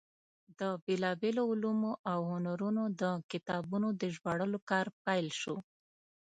د بېلابېلو علومو او هنرونو د کتابونو د ژباړلو کار پیل شو.